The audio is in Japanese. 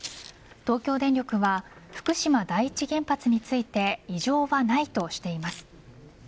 東京電力は福島第一原発について異常はないとしています。